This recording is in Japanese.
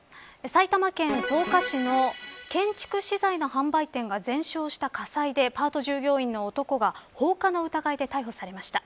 埼玉県草加市の建築資材の販売店が全焼した火災でパート従業員の男が放火の疑いで逮捕されました。